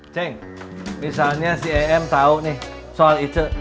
ceng misalnya si em tahu nih soal ic